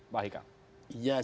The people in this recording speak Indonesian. pak eka ya saya melihat